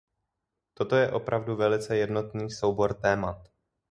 Toto je opravdu velice jednotný soubor témat.